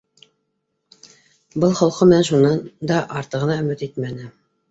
Был холҡо менән шунан да артығына өмөт итмәне